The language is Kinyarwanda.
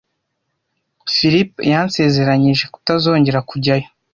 Philip yansezeranije kutazongera kujyayo.